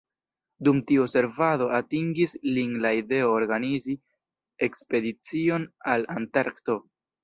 Dum tiu servado atingis lin la ideo organizi ekspedicion al Antarkto.